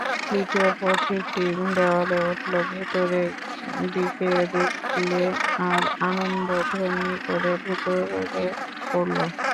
দ্বিতীয় পথিকটি দেওয়ালে উঠল, ভেতরের দিকে দেখলে, আর আনন্দধ্বনি করে ভেতরে পড়ল।